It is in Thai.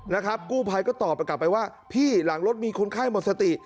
กู้ภัยก็ตอบกลับไปว่าพี่หลังรถมีคนไข้หมดสติ